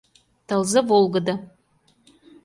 Тылзе волгыдо.